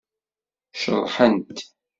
Ceḍḥent.